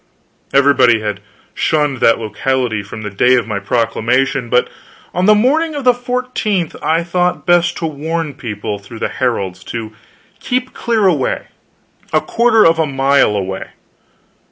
Everybody had shunned that locality from the day of my proclamation, but on the morning of the fourteenth I thought best to warn the people, through the heralds, to keep clear away a quarter of a mile away.